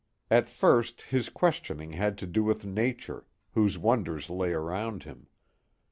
At first his questioning had to do with nature, whose wonders lay around him.